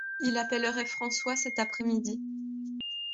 Il appellerait François cet après-midi.